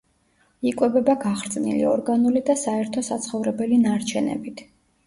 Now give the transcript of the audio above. იკვებება გახრწნილი ორგანული და საერთო საცხოვრებელი ნარჩენებით.